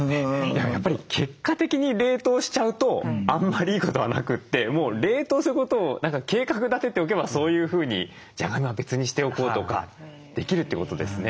やっぱり結果的に冷凍しちゃうとあんまりいいことはなくて冷凍することを計画立てておけばそういうふうにじゃがいもは別にしておこうとかできるってことですね。